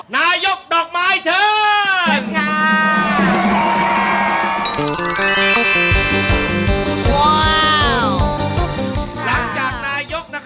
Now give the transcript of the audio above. นายกออกมาต่อขึ้นให้นะครับ